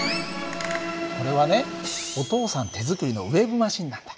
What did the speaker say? これはねお父さん手作りのウェーブマシンなんだ。